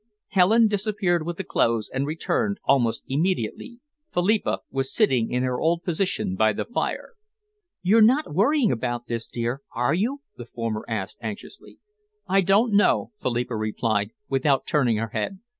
Helen disappeared with the clothes and returned almost immediately, Philippa was sitting in her old position by the fire. "You're not worrying about this, dear, are you?" the former asked anxiously. "I don't know," Philippa replied, without turning her head.